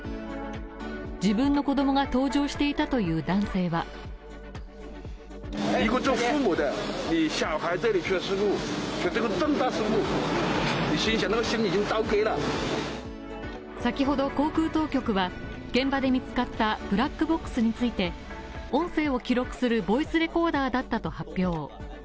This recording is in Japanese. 自分の子供が搭乗していたという男性は先ほど航空当局は現場で見つかったブラックボックスについて、音声を記録するボイスレコーダーだったと発表